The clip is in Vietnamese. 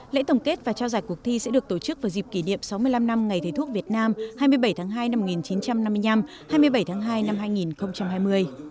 lễ tổng kết và trao giải cuộc thi sẽ được tổ chức vào dịp kỷ niệm sáu mươi năm năm ngày thầy thuốc việt nam hai mươi bảy tháng hai năm một nghìn chín trăm năm mươi năm hai mươi bảy tháng hai năm hai nghìn hai mươi